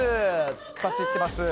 突っ走ってます。